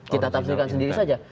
kita takutkan sendiri saja